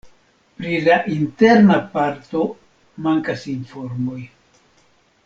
Pri la interna parto mankas informoj.